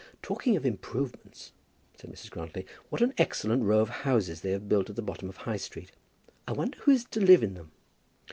"Talking of improvements," said Mrs. Grantly, "what an excellent row of houses they have built at the bottom of High Street. I wonder who is to live in them?"